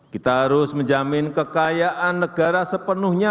kita harus menjamin kekayaan negara sepenuhnya